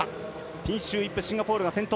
ピンシュー・イップシンガポールが先頭。